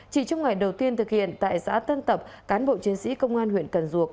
chỉ trong ngày đầu tiên thực hiện tại xã tân tập cán bộ chiến sĩ công an huyện cần duộc